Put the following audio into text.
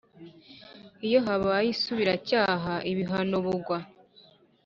Iyo habaye isubiracyaha ibihano b ugwa